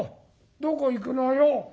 どこ行くのよ。